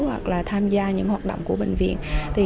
hoặc là tham gia những hoạt động của bệnh viện